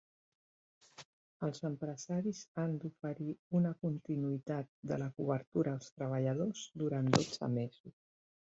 Els empresaris han d'oferir una continuïtat de la cobertura als treballadors durant dotze mesos.